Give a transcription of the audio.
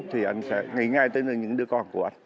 thì anh sẽ nghĩ ngay tới những đứa con của anh